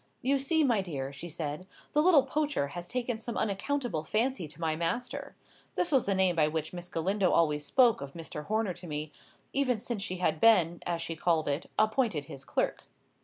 "You see, my dear," she said, "the little poacher has taken some unaccountable fancy to my master." (This was the name by which Miss Galindo always spoke of Mr. Horner to me, ever since she had been, as she called it, appointed his clerk.)